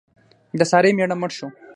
د سارې مېړه مړ شو.